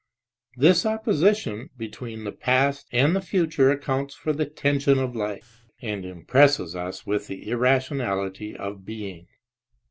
This opposition between the past and the future accounts for the tension of life and impresses us with the irrationality of being.